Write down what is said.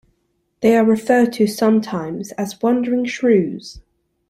They are referred to sometimes as wandering shrews.